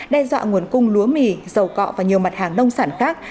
đe dọa nguồn cung lúa mì dầu cọ và nhiều mặt hàng nông sản khác